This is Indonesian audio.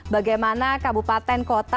bagaimana kabupaten kota